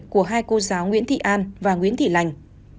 của hai cô giáo nguyễn thị an và nguyễn thị lành